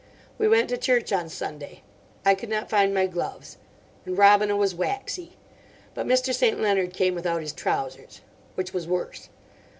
We went to church on Sunday. I could not find my gloves. And Robina was waxy. But Mr. St. Leonard came without his trousers. Which was worse.